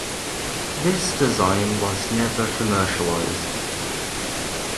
This design was never commercialized.